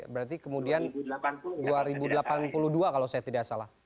berarti kemudian dua ribu delapan puluh dua kalau saya tidak salah